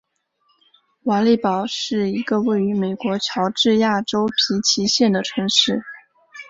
瓦利堡是一个位于美国乔治亚州皮奇县的城市。